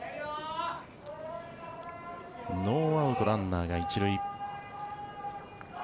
ノーアウト、ランナーが１塁。